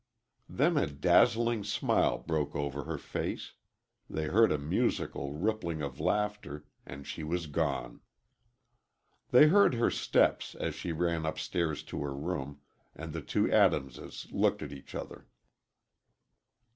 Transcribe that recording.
Then a dazzling smile broke over her face, they heard a musical ripple of laughter, and she was gone. They heard her steps, as she ran upstairs to her room, and the two Adamses looked at each other.